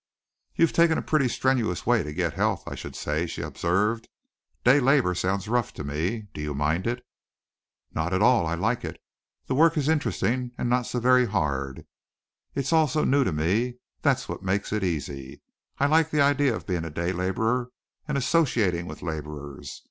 "You've taken a pretty strenuous way to get health, I should say," she observed. "Day labor sounds rough to me. Do you mind it?" "Not at all. I like it. The work is interesting and not so very hard. It's all so new to me, that's what makes it easy. I like the idea of being a day laborer and associating with laborers.